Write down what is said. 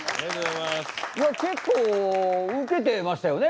結構ウケてましたよね